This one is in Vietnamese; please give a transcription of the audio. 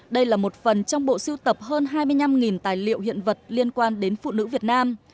đây là một phần trong bộ siêu tập hơn hai mươi năm tài liệu hiện vật liên quan đến phụ nữ việt nam